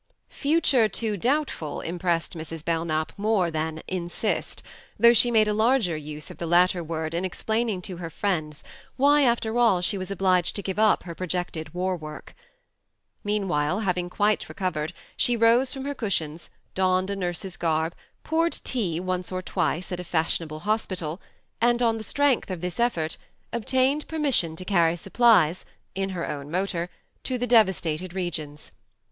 " Future too doubtful " impressed Mrs. Belknap more than " Insist," though she made a larger use of the latter word in explaining to her friends why, after all, she was obliged to give up her projected war work. Mean while, having quite recovered, she rose from her cushions, donned a nurse's garb, poured tea once or twice at a fashionable hospital, and, on the THE MARNE 27 strength of this effort, obtained per mission to carry supplies (in her own motor) to the devastated regions.